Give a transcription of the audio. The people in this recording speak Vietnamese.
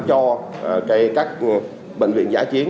cho các bệnh viện giải chiến